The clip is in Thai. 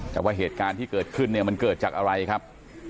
แต่ว่าเหตุการณ์ที่เกิดขึ้นเนี่ยมันเกิดจากอะไรครับ